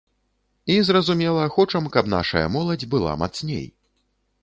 І зразумела, хочам, каб нашая моладзь была мацней.